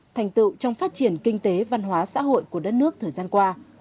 thành tựu trong phát triển kinh tế văn hóa xã hội của đất nước thời gian qua